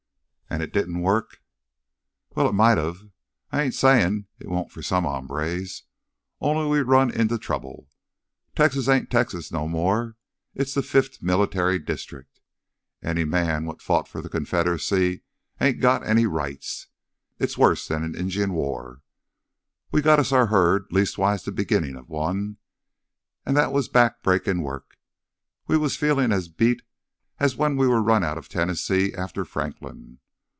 "And it didn't work?" "Well, it might've. I ain't sayin' it won't for some hombres. Only we run into trouble. Texas ain't Texas no more; it's th' Fifth Military District. Any man what fought for th' Confederacy ain't got any rights. It's worse'n an Injun war. We got us our herd, leastwise th' beginnin' of one. An' that was back breakin' work—we was feelin' as beat as when we run out of Tennessee after Franklin.